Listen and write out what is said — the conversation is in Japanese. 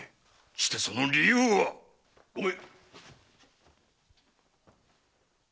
してその理由は⁉御免。